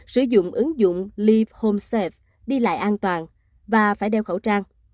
sử dụng ứng dụng leave home safe đi lại an toàn và phải đeo khẩu trang